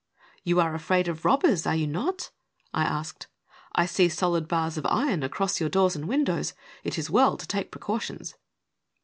"You are afraid of robbers, are you not?" I asked. " I see solid bars of iron across your doors and windows. It is well to take precautions."